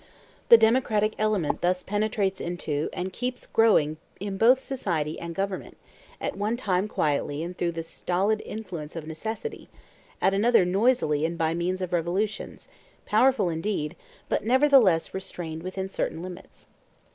The democratic element thus penetrates into and keeps growing in both society and government, at one time quietly and through the stolid influence of necessity, at another noisily and by means of revolutions, powerful indeed, but nevertheless restrained within certain limits.